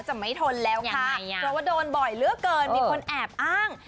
จะไม่ทนแล้วค่ะเพราะว่าโดนบ่อยเหลือเกินมีคนแอบอ้าง